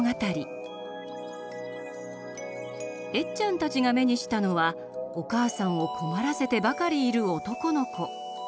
エッちゃんたちが目にしたのはおかあさんを困らせてばかりいる男の子。